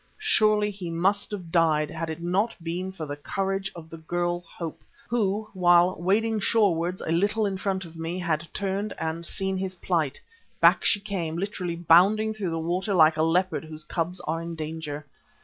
Surely he must have died had it not been for the courage of the girl Hope, who, while wading shorewards a little in front of me, had turned and seen his plight. Back she came, literally bounding through the water like a leopard whose cubs are in danger.